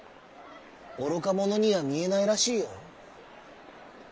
「おろかものにはみえないらしいよ」。